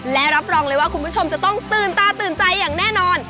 และรับรองเลยว่าคุณผู้ชมจะต้องตื่นตาตื่นใจอย่างแน่นอน